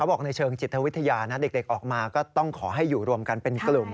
บอกในเชิงจิตวิทยานะเด็กออกมาก็ต้องขอให้อยู่รวมกันเป็นกลุ่ม